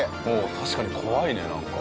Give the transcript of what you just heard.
確かに怖いねなんか。